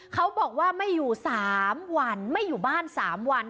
เขาบอกว่าไม่อยู่บ้าน๓วัน